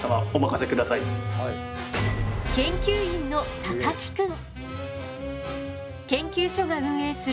研究員の高木くん。